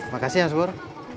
makasih mas bor